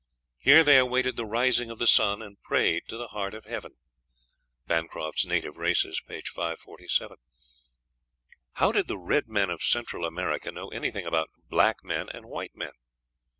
Here they awaited the rising of the sun, and prayed to the Heart of Heaven." (Bancroft's "Native Races," p. 547.) How did the red men of Central America know anything about "black men and white men?"